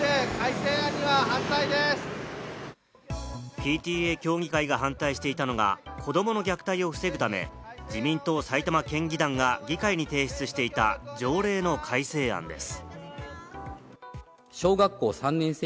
ＰＴＡ協議会が反対していたのが、子どもの虐待を防ぐため自民党埼玉県議団が議会に提出していた条例の改正案です。